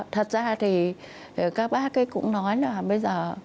thật ra thì các bác ấy cũng nói là bây giờ